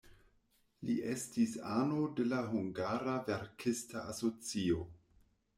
Li estis ano de la hungara verkista asocio.